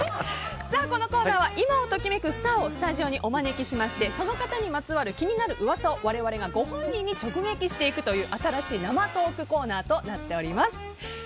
このコーナーは今を時めくスターをスタジオにお招きしましてその方にまつわる気になる噂を我々がご本人に直撃していくという新しい生トークコーナーとなっております。